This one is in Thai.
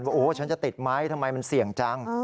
โอ้ฉันจะติดไหมทำไมมันเสี่ยงจัง